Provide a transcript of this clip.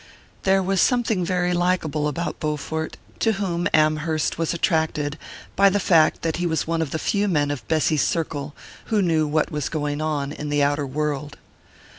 There was something very likeable about Bowfort, to whom Amherst was attracted by the fact that he was one of the few men of Bessy's circle who knew what was going on in the outer world.